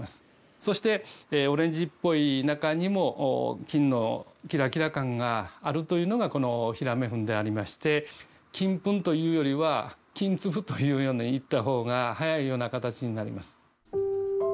そしてオレンジっぽい中にも金のキラキラ感があるというのがこの平目粉でありまして金粉というよりは金粒というように言った方が早いような形になります。